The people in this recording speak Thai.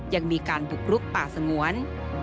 ยังมีการบุกรุกป่าสงวน